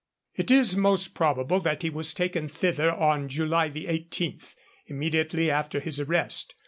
It is most probable that he was taken thither on July 18, immediately after his arrest.